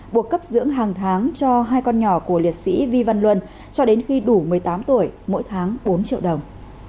buộc cấp dưỡng hàng tháng cho hai con nhỏ của liệt sĩ vi văn luân cho đến khi đủ một mươi tám tuổi mỗi tháng bốn triệu đồng